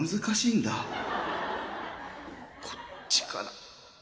こっちから